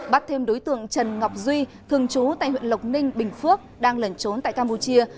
bắt thêm đối tượng trần ngọc duy thường trú tại huyện lộc ninh bình phước đang lẩn trốn tại campuchia